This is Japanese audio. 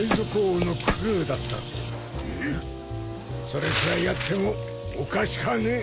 それくらいやってもおかしかねえ。